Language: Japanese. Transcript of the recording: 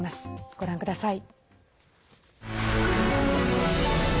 ご覧ください。